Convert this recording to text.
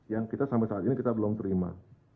yang kita sampai saat ini kita belum terima